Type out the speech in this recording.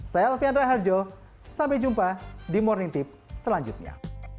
saya alfian raharjo sampai jumpa di morning tip selanjutnya